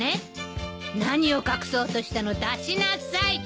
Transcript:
何を隠そうとしたの出しなさい！